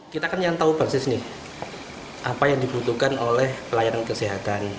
kita kan yang tahu persis nih apa yang dibutuhkan oleh pelayanan kesehatan